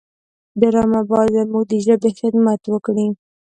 ډرامه باید زموږ د ژبې خدمت وکړي